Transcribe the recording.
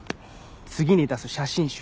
次に出す写真集の。